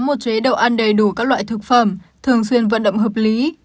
một chế độ ăn đầy đủ các loại thực phẩm thường xuyên vận động hợp lý